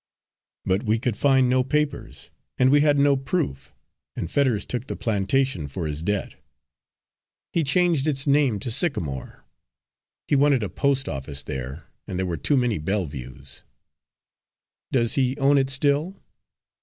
But we could find no papers and we had no proof, and Fetters took the plantation for his debt. He changed its name to Sycamore; he wanted a post office there, and there were too many Belleviews." "Does he own it still?"